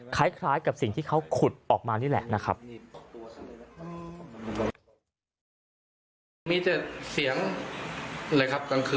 คล้ายกับสิ่งที่เขาขุดออกมานี่แหละนะครับ